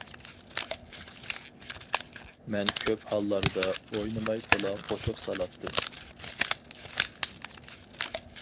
مەن كۆپ ھاللاردا ئوينىماي تولا قوشۇق سالاتتىم.